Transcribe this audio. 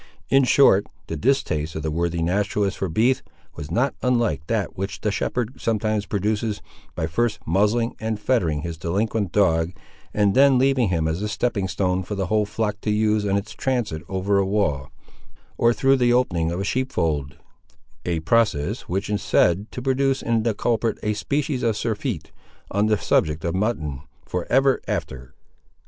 In short, the distaste of the worthy naturalist for beef was not unlike that which the shepherd sometimes produces, by first muzzling and fettering his delinquent dog, and then leaving him as a stepping stone for the whole flock to use in its transit over a wall, or through the opening of a sheep fold; a process which is said to produce in the culprit a species of surfeit, on the subject of mutton, for ever after.